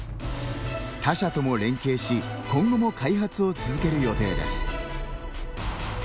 他社とも連携し今後も開発を続ける予定です。